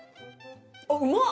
あっうまっ！